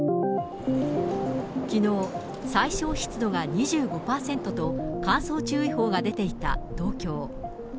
きのう、最小湿度が２５％と、乾燥注意報が出ていた東京。